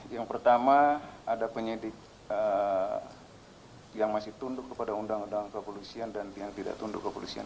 yang pertama ada penyidik yang masih tunduk kepada undang undang kepolisian dan yang tidak tunduk kepolisian